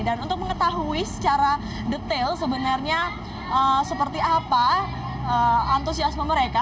dan untuk mengetahui secara detail sebenarnya seperti apa antusiasme mereka